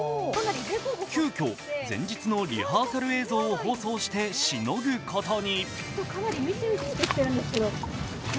急きょ、前日のリハーサル映像を放送してしのぐことに。